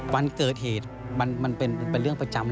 วันเกิดเหตุมันเป็นเรื่องประจำ